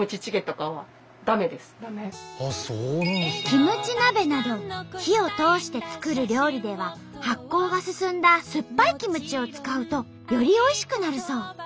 キムチ鍋など火を通して作る料理では発酵が進んだすっぱいキムチを使うとよりおいしくなるそう。